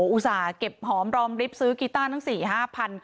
อุตส่าห์เก็บหอมรอมริบซื้อกีต้าทั้ง๔๕พัน